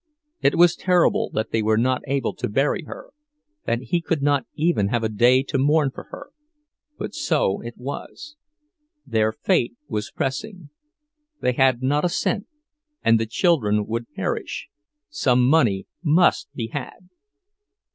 It was terrible that they were not able to bury her, that he could not even have a day to mourn her—but so it was. Their fate was pressing; they had not a cent, and the children would perish—some money must be had.